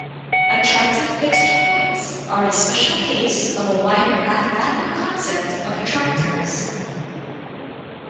Attractive fixed points are a special case of a wider mathematical concept of attractors.